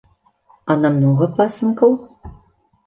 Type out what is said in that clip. А на многа пасынкаў?